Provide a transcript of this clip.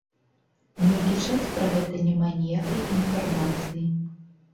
Нейкі час пра гэта няма ніякай інфармацыі.